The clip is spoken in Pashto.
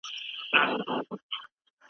نفاق ټولنه د نابودۍ کندې ته ټېل وهي.